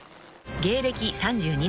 ［芸歴３２年］